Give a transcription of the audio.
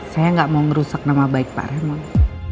saya enggak mau ngerusak nama baik pak raymond